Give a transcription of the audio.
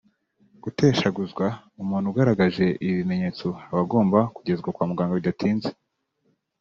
guteshaguzwa…umuntu ugaragaje ibi bimenyetso akaba agomba kugezwa kwa muganga bitadinze